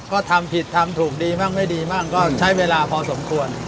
ก็ทำผิดทำถูกดีบ้างไม่ดีบ้างก็ใช้เวลาพอสมควร